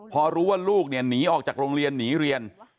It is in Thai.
พอรู้ว่าลูกเนี่ยหนีออกจากโรงเรียนหนีเรียน